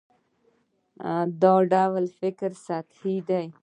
دا ډول فکر سطحي دی.